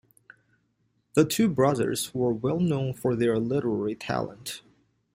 The two brothers were well known for their literary talent.